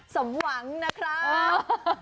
สมหวังนะครับ